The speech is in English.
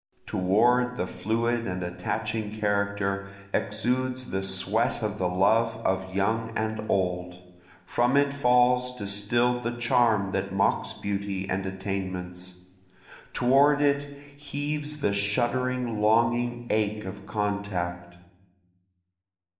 Toward the fluid and attaching character exudes the sweat of the love of young and old, From it falls distill'd the charm that mocks beauty and attainments, Toward it heaves the shuddering longing ache of contact.